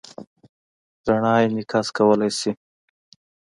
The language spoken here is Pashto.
رڼا انعکاس کولی شي.